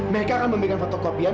mereka akan memberikan fotokopian